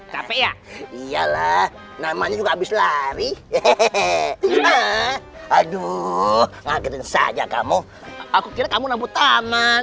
capek ya iyalah namanya juga habis lari hehehe aduh ngakutin saja kamu aku kira kamu nampo taman